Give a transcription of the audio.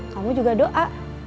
kamu juga doa